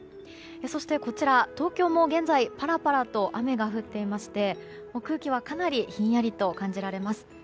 そして、東京も現在パラパラと雨が降っていまして空気は、かなりひんやりと感じられます。